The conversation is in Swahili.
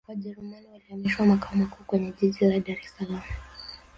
wajerumani walihamishiwa makao makuu kwenye jiji la dar es salaam